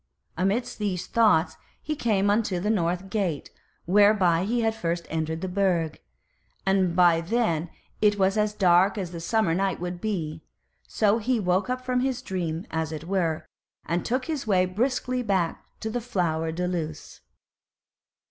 Amidst these thoughts he came unto the North Gate, whereby he had first entered the Burg, and by then it was as dark as the summer night would be; so he woke up from his dream, as it were, and took his way briskly back to the Flower de Luce.